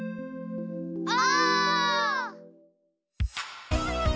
お！